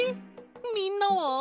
みんなは？